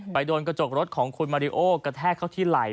โดนกระจกรถของคุณมาริโอกระแทกเข้าที่ไหล่